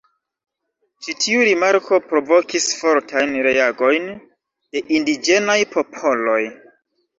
Ĉi tiu rimarko provokis fortajn reagojn de indiĝenaj popoloj.